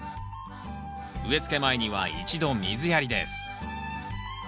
植えつけ前には一度水やりです